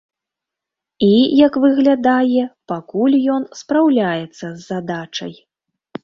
І, як выглядае, пакуль ён спраўляецца з задачай.